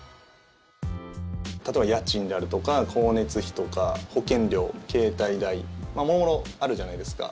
例えば家賃であるとか光熱費とか保険料、携帯代もろもろあるじゃないですか。